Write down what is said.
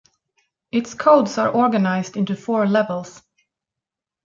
Its codes are organised into four levels.